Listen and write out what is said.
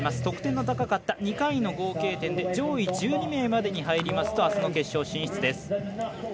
得点の高かった２回の合計点で上位１２名までに入りますとあすの決勝進出です。